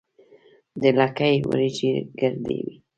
د لکۍ وریجې ګردې وي.